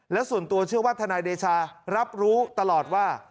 และส่วนตัวเชื่อว่าทนายเดชารับรู้ตลอดว่า